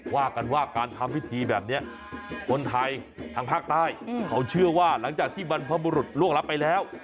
ว่ากันว่าการทำพิธีแบบนี้คนไทยทางภาคใต้เขาเชื่อว่าหลังจากที่บรรพบุรุษล่วงรับไปแล้ว